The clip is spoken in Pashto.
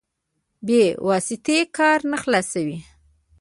بې واسطې کار نه خلاصوي.